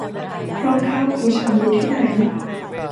รองเท้าของฉันอยู่ที่ไหน